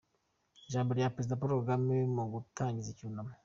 Ijambo rya Perezida Paul Kagame mu gutangiza icyunamo